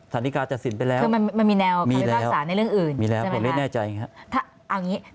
ศาลิกาจัดสินไปแล้วมีแล้วมีแล้วผมไม่แน่ใจอย่างนี้ครับคือมันมีแนวความรักษาในเรื่องอื่น